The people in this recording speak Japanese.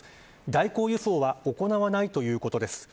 代行輸送は行わないということです。